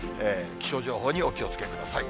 気象情報にお気をつけください。